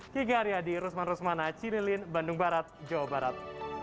kiki aryadi rusman rusmana cililin bandung barat jawa barat